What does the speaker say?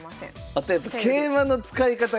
あとやっぱ桂馬の使い方が。